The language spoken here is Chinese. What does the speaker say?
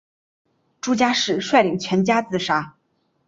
朱家仕率领全家自杀。